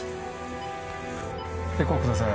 エコーください。